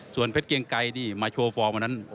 ส่วนเพชรเกียงไกรนี่มาโชว์ฟอร์มวันนั้น